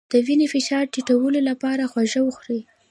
د وینې فشار ټیټولو لپاره هوږه وخورئ